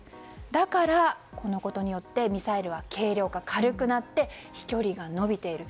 だから、このことによってミサイルは軽量化されて飛距離が伸びている。